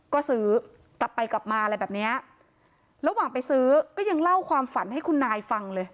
ก็ซื้อกลับไปกลับมาอะไรแบบเนี้ยระหว่างไปซื้อก็ยังเล่าความฝันให้คุณนายฟังเลย